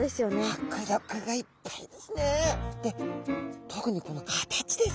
迫力がいっぱいですね。